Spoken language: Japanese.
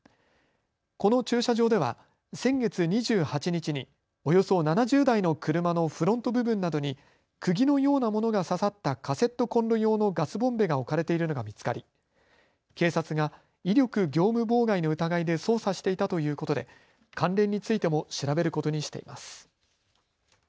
この駐車場では先月２８日におよそ７０台の車のフロント部分などにくぎのようなものが刺さったカセットコンロ用のガスボンベが置かれているのが見つかり警察が威力業務妨害の疑いで捜査していたということで関連についても調べることにしています。